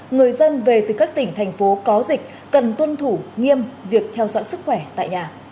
người dân về từ các tỉnh thành phố có dịch cần tuân thủ nghiêm việc theo dõi sức khỏe tại nhà